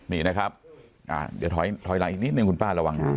นี่นะครับเดี๋ยวถอยหลังอีกนิดนึงคุณป้าระวัง